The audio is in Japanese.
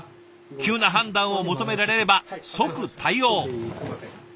急な判断を求められれば即対応。